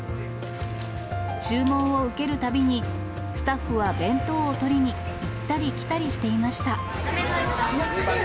注文を受けるたびに、スタッフは弁当を取りに、行ったり来たりしていました。